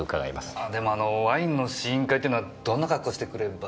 あでもあのワインの試飲会ってのはどんな格好してくれば？